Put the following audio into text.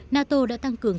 nato đã tăng cường